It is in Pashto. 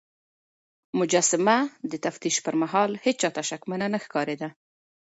مجسمه د تفتيش پر مهال هيڅ چا ته شکمنه نه ښکارېده.